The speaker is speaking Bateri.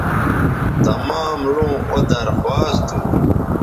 تمام لوں او درخواست تھو